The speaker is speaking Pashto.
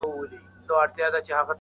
ویل بار د ژوندانه مي کړه ملا ماته!!